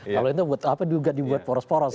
kalau itu buat apa juga dibuat poros poros